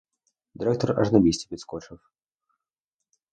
Директор аж на місці підскочив.